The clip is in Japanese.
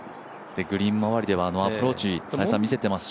グリーンまわりではアプローチ、再三見せていますし。